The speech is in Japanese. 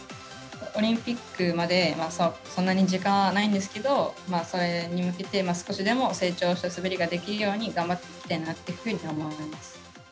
オリンピックまでそんなに時間はないんですけど、それに向けて、少しでも成長した滑りができるように頑張っていきたいなって思い